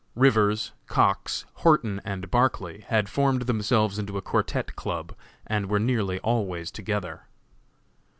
Rivers, Cox, Horton and Barclay had formed themselves into a quartette club and were nearly always together.